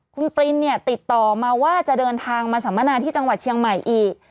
คุณปรินเนี่ยติดต่อมาว่าจะเดินทางมาสัมมนาที่จังหวัดเชียงใหม่อีก